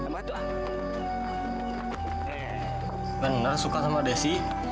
bener suka sama desi